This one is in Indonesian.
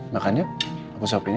makan ya aku sopin ya